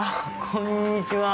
こんにちは。